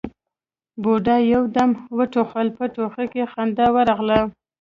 بوډا يو دم وټوخل، په ټوخي کې خندا ورغله: